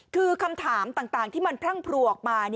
คือคำถามต่างที่มันพรั่งพรัวออกมา